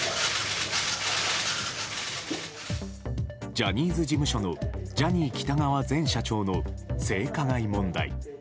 ジャニーズ事務所のジャニー喜多川前社長の性加害問題。